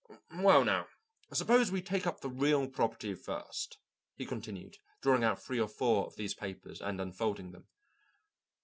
"Well, now, suppose we take up the real property first," he continued, drawing out three or four of these papers and unfolding them.